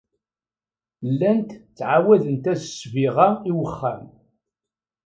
Llant ttɛawadent-as ssbiɣa i wexxam.